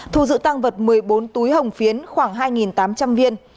thu giữ tăng vật một mươi bốn túi hồng phiến khoảng hai tám trăm linh viên